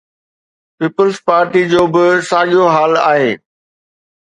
Peoples پارٽيءَ جو به ساڳيو حال آهي.